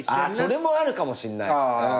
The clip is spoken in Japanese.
あそれもあるかもしんない。